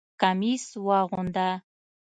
کمیس واغونده!